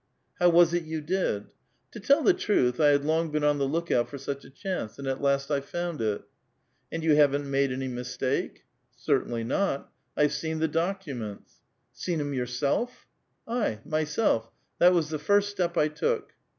" How was it you did? " "To tell the truth, I had long been on the lookout for such a chance, and at last I found it." " And you haven't made any mistake?" Certainlv not ; I've seen the documents." " Seen 'em yourself? "" I, myself. That was the first step I took."